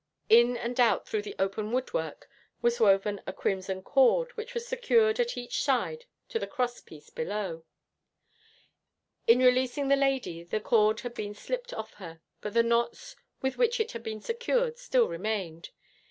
In and out through the open woodwork was woven a crimson cord, which was secured at each side to the crosspiece below. In releasing the lady, the cord had been slipped off her, but the knots with which it had been secured still remained.